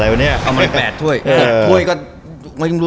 เอามาแหม่ท้วย